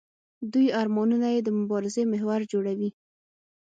دوی ارمانونه یې د مبارزې محور جوړوي.